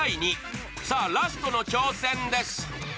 さぁ、ラストの挑戦です。